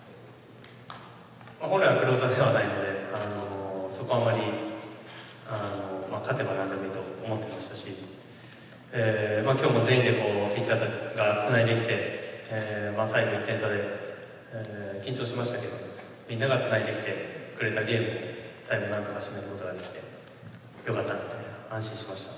本来はクローザーではないので、そこはあまり、勝てばなんでもいいと思ってましたし、きょうも全員でピッチャー陣がつないできて、最後１点差で、緊張しましたけど、みんながつないできてくれたゲームを最後なんとか、締めることができて、本当によかったなって安心しました。